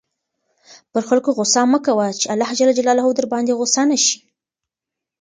پر خلکو غصه مه کوه چې اللهﷻ درباندې غصه نه شي.